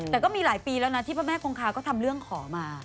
แต่ก็มีหลายปีแล้วนะที่พระแม่คงคาก็ทำเรื่องขอมา